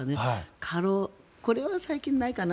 過労これは最近ないかな？